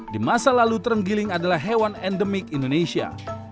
di masa lalu terenggiling adalah hewan endemik indonesia